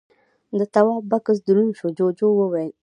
د تواب بکس دروند شو، جُوجُو وويل: